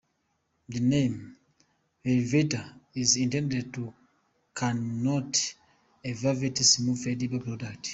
The name "Velveeta" is intended to connote a velvety smooth edible product.